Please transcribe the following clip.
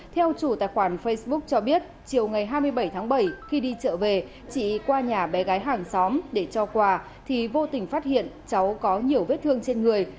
theo chủ tài khoản facebook cho biết chiều ngày hai mươi bảy tháng bảy khi đi chợ về chị qua nhà bé gái hàng xóm để cho quà thì vô tình phát hiện cháu có nhiều vết thương trên người